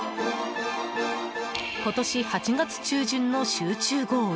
今年８月中旬の集中豪雨。